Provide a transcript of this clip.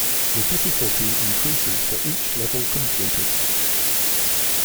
The difficulty increases for each level completed.